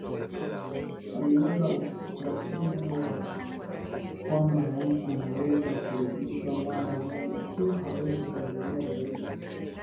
Aliunda utaratibu wa kwamba rais anaweza kurudishwa mara moja tu hawezi kuendelea zaidi